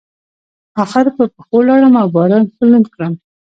اخر په پښو لاړم او باران ښه لوند کړلم.